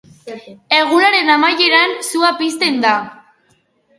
Egunaren amaieran, sua pizten da.